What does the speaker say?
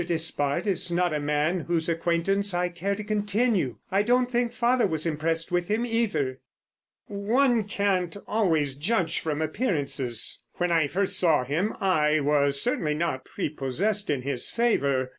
Despard is not a man whose acquaintance I care to continue. I don't think father was impressed with him, either." "One can't always judge from appearances. When I first saw him I was certainly not prepossessed in his favour.